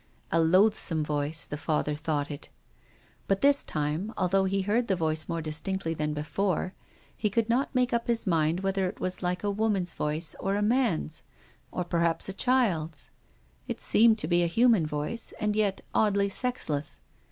A loathsome voice, the Father thought it. But this time, although he heard the voice more distinctly than before, he could not make up his mind whether it was like a woman's voice or a man's — or perhaps a child's. It seemed to be a human voice, and yet oddly sexless.